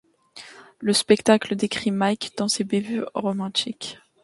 Le spectacle décrit Mike dans ses bévues romantiques.